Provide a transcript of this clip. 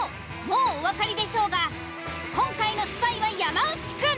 もうおわかりでしょうが今回のスパイは山内くん。